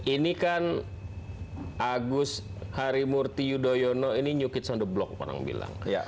ini kan agus harimurti yudhoyono ini new kids on the block orang bilang